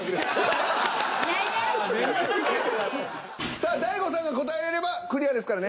さあ大悟さんが答えられればクリアですからね。